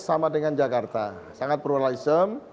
sama dengan jakarta sangat pluralism